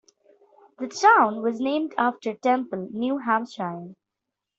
The town was named after Temple, New Hampshire.